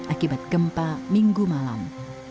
akibat gempa minggu malam